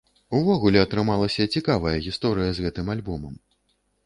Увогуле, атрымалася цікавая гісторыя з гэтым альбомам.